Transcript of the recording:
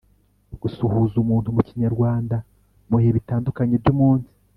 gusuhuza umuntu mu kinyarwanda mu bihe bitandukanye by‘umunsi..